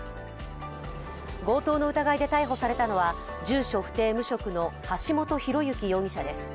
強盗の疑いで逮捕されたのは、住所不定・無職の橋本広幸容疑者です。